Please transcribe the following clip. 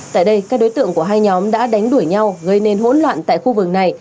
tại đây các đối tượng của hai nhóm đã đánh đuổi nhau gây nên hỗn loạn tại khu vực này